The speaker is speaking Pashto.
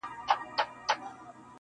د زمريو په زانګوکي -